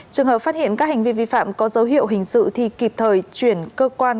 trường hợp phát hiện các hành vi vi phạm có dấu hiệu hình sự thì kịp thời chuyển cơ quan